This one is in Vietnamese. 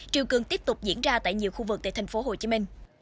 triều cường tiếp tục diễn ra tại nhiều khu vực tại tp hcm